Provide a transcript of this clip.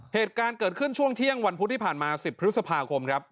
เหตุการณ์เกิดขึ้นช่วงเที่ยงวันพุธที่ผ่านมา๑๐พฤษภาคมครับ